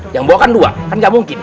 yang bawah kan dua kan gak mungkin